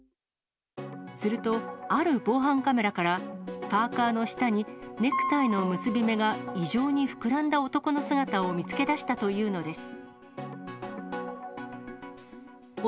すると、ある防犯カメラから、パーカーの下に、ネクタイの結び目が異常に膨らんだ男の姿を見つけ出したというのです。